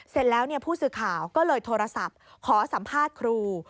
เสร็จแล้วผู้สื่อข่าวก็เลยโทรศัพท์ขอสัมภาษณ์ครู